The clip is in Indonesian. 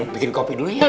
bikin kopi dulu ya